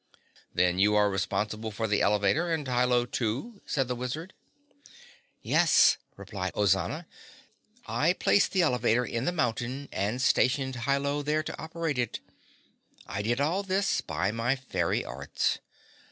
"Then you are responsible for the elevator and Hi Lo, too," said the Wizard. "Yes," replied Ozana. "I placed the elevator in the mountain and stationed Hi Lo there to operate it. I did all this by my fairy arts.